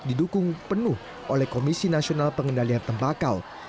didukung penuh oleh komisi nasional pengendalian tembakau